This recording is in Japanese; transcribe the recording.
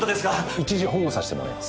一時保護させてもらいます。